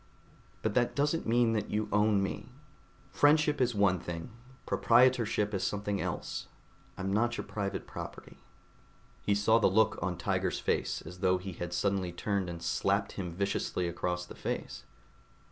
But that doesn't mean that you own me. Friendship is one thing; proprietorship is something else. I'm not your private property." He saw the look on Tiger's face, as though he had suddenly turned and slapped him viciously across the face.